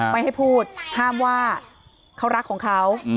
ไม่ให้พูดห้ามว่าเขารักของเขา